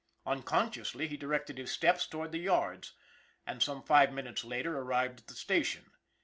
Unconsciously he directed his steps toward the yards, and, some five minutes later, arrived at the station.